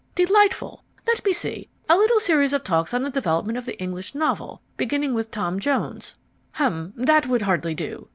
Delightful! Let me see, a little series of talks on the development of the English novel, beginning with Tom Jones hum, that would hardly do!